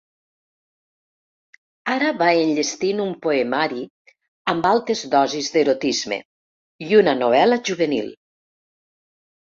Ara va enllestint un poemari amb altes dosis d’erotisme i una novel·la juvenil.